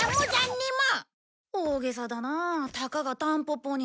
大げさだなあたかがタンポポに。